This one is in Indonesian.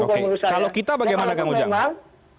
kalau kita bagaimana kang ujang